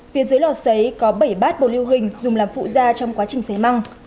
phía dưới lò xấy có bảy bát bồn lưu hình dùng làm phụ da trong quá trình xế măng